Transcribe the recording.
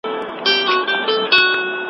ماشوم زېږول کولی شي د مور رواني حالت بدل کړي.